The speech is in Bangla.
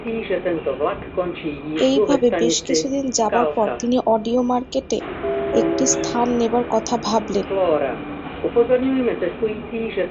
এইভাবে বেশ কিছুদিন যাবার পর তিনি অডিও মার্কেটে একটি স্থান নেবার কথা ভাবলেন।